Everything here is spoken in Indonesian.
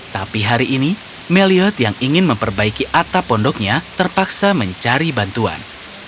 tapi hari ini melioth yang ingin memperbaiki atap pondoknya terpaksa mencari bantuan